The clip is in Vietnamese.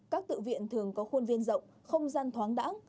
các tự viện thường có khuôn viên rộng không gian thoáng đẳng